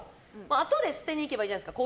あとで捨てに行けばいいじゃないですか。